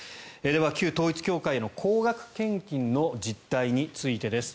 では、旧統一教会の高額献金の実態についてです。